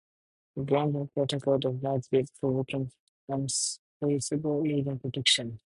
The Groningen Protocol does not give physicians unassailable legal protection.